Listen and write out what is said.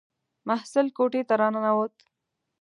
محصل کوټې ته را ننووت.